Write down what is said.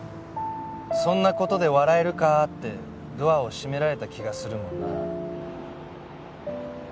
「そんな事で笑えるか！」ってドアを閉められた気がするもんな。